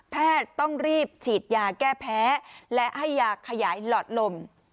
ต้องรีบฉีดยาแก้แพ้และให้ยาขยายหลอดลม